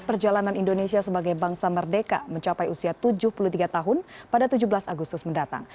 perjalanan indonesia sebagai bangsa merdeka mencapai usia tujuh puluh tiga tahun pada tujuh belas agustus mendatang